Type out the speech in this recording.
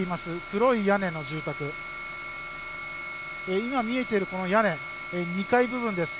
黒い屋根の住宅、今、見えているこの屋根、２階部分です。